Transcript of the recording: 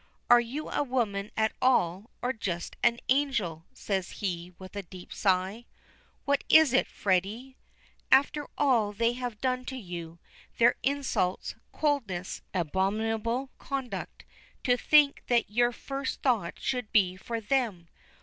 "Are you a woman at all, or just an angel?" says he, with a deep sigh. "What is it, Freddy?" "After all they have done to you. Their insults, coldness, abominable conduct, to think that your first thought should be for them.